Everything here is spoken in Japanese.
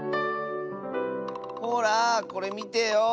ほらこれみてよ。